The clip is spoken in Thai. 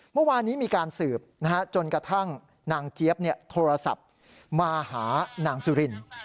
เมื่อวานนี้มีการสืบจนกระทั่งนางเจี๊ยบโทรศัพท์มาหานางสุริน